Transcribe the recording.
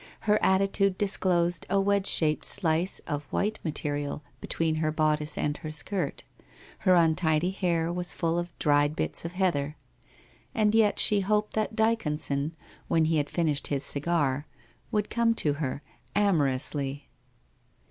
Her attitude disclosed a wedge shaped slice of white ma terial between her bodice and her skirt. Her untidy hair was full of dried bits of heather. And yet she hoped that Dyconson, when he had finished his cigar, would come to her, amorously.